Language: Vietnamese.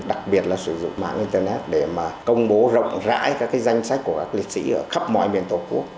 đặc biệt là sử dụng mạng internet để mà công bố rộng rãi các danh sách của các liệt sĩ ở khắp mọi miền tổ quốc